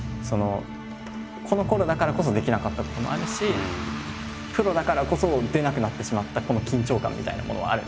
このころだからこそできなかったこともあるしプロだからこそ出なくなってしまったこの緊張感みたいなものもあるんですよね。